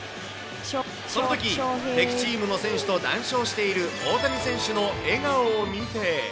そのとき、敵チームの選手と談笑している大谷選手の笑顔を見て。